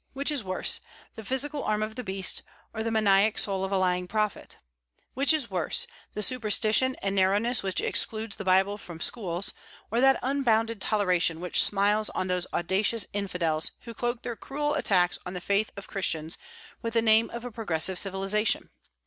Which is worse, the physical arm of the beast, or the maniac soul of a lying prophet? Which is worse, the superstition and narrowness which excludes the Bible from schools, or that unbounded toleration which smiles on those audacious infidels who cloak their cruel attacks on the faith of Christians with the name of a progressive civilization?